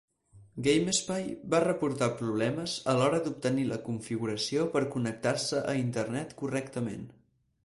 Gamespy va reportar problemes a l'hora d'obtenir la configuració per connectar-se a internet correctament.